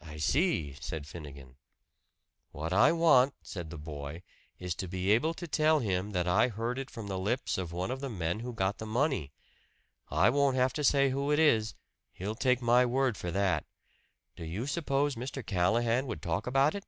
"I see," said Finnegan. "What I want," said the boy, "is to be able to tell him that I heard it from the lips of one of the men who got the money. I won't have to say who it is he'll take my word for that. Do you suppose Mr. Callahan would talk about it?"